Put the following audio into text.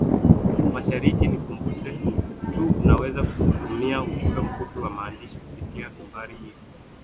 mashariki nikukumbuse tu unaweza kututumia ujumbe mfupi wa maandishi kupitia numbari hii